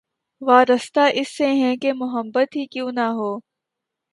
وارستہ اس سے ہیں کہ‘ محبت ہی کیوں نہ ہو